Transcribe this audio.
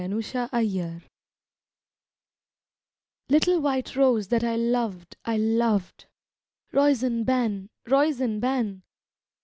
LITTLE WHITE ROSE Little white rose that I loved, I loved, Roisin ban, Roisin ban